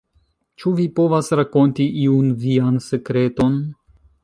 Ĉu vi povas rakonti iun vian sekreton?